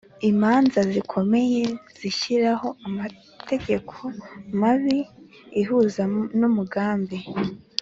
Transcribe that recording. imanza zikomeye zishyiraho amategeko mabi ihuza numugani